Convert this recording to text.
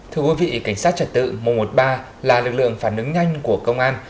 thưa quý vị cảnh sát trật tự mùa một ba là lực lượng phản ứng nhanh của công an